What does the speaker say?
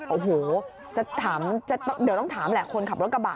โอ้โหเดี๋ยวต้องถามแหละคนขับรถกระบะ